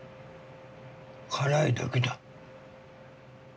辛いだけだ。